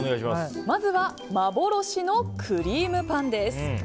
まずは、幻のクリームパンです。